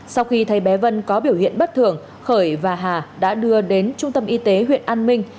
sau khi thấy bé vân có biểu hiện bất thường khởi và hà đã đưa đến trung tâm y tế huyện an minh